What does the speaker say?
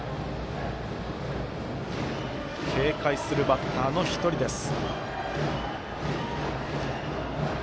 警戒するバッターの１人です。